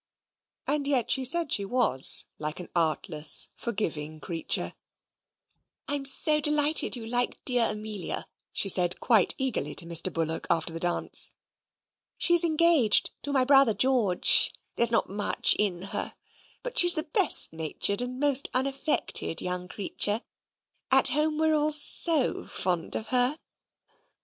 And yet she said she was, like an artless forgiving creature. "I'm so delighted you like dear Amelia," she said quite eagerly to Mr. Bullock after the dance. "She's engaged to my brother George; there's not much in her, but she's the best natured and most unaffected young creature: at home we're all so fond of her."